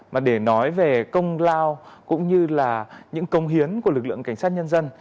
mà để nói về công lao cũng như là những công hiến của lực lượng cảnh sát nhân dân